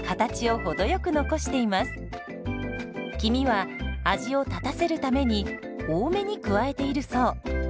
黄身は味を立たせるために多めに加えているそう。